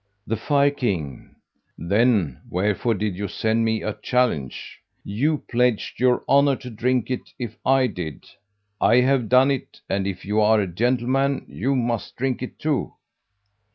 The Fire king "Then wherefore did you send me a challenge? You pledged your honor to drink it, if I did; I have done it; and if you are a gentleman, you must drink it too."